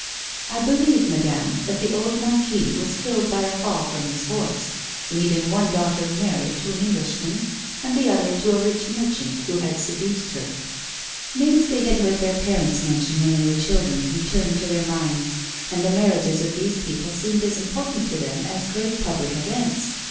" I believe, madame, that the old marquis was killed by a fall from his horse, leaving one daughter married to an Englishman, and the other to a rich merchant who had seduced her." Names they had heard their parents mention when they were children returned to their minds, and the marriages of these people seemed as important to them as great f)ublic events.